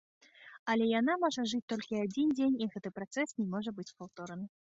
Але яна можа жыць толькі адзін дзень, і гэты працэс не можа быць паўтораны.